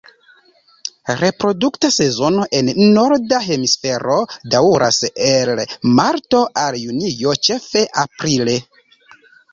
Reprodukta sezono en norda hemisfero daŭras el marto al junio, ĉefe aprile.